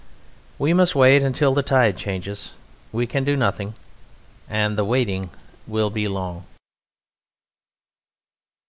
We must wait until the tide changes; we can do nothing, and the waiting will be long.